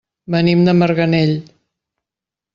Venim de Marganell.